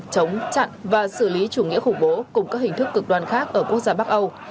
chống chặn và xử lý chủ nghĩa khủng bố cùng các hình thức cực đoan khác ở quốc gia bắc âu